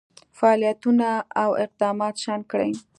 فعالیتونه او اقدامات شنډ کړي.